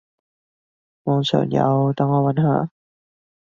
網上有，等我揾下